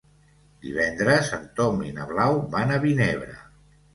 Divendres en Tom i na Blau van a Vinebre.